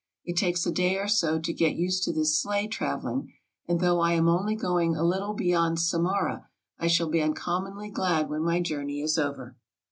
It takes a day or so to get used to this sleigh traveling; and though I am only going a little beyond Samara, I shall be uncommonly glad when my journey is over.